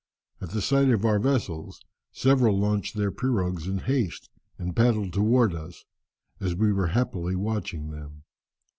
At the sight of our vessels, several launched their pirogues in haste, and paddled towards us, as we were happily watching them.